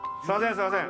すいません。